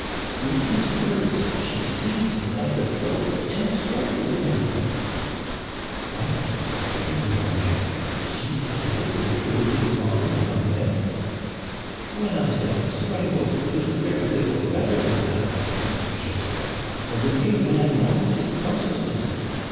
With these words, she seized him by the throat and strangled him." " What," exclaimed the young men, " she strangled your poor, late father, now dead 1 " Digitized by VjOOQIC 54 THE CANADIANS OF OLD. "When I said strangled, it was very little better than that/* answered José," for the dear man lost his consciousness.